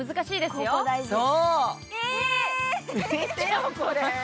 そう、見てよ、これ！